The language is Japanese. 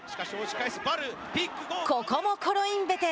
ここもコロインベテ。